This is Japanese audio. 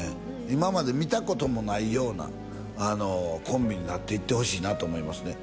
今まで見たこともないようなコンビになっていってほしいなと思いますね